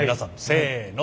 せの。